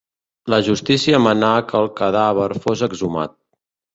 La justícia manà que el cadàver fos exhumat.